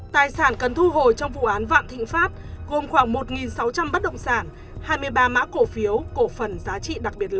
tài sản cần thu hồi trong vụ án vạn thịnh pháp gồm khoảng một sáu trăm linh bất động sản hai mươi ba mã cổ phiếu cổ phần giá trị đặc biệt lớn